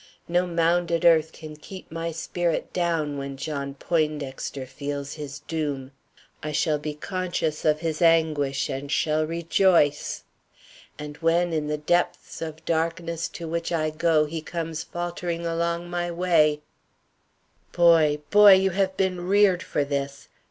No mounded earth can keep my spirit down when John Poindexter feels his doom. I shall be conscious of his anguish and shall rejoice; and when in the depths of darkness to which I go he comes faltering along my way "Boy, boy, you have been reared for this.